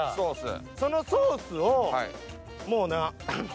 そのソースをもうなあの。